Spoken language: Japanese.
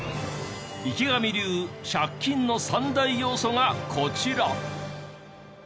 池上流借金の３大要素がこちら。